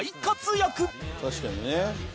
「確かにね」